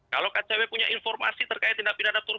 kalau kpk punya informasi terkait tindak pindah dapur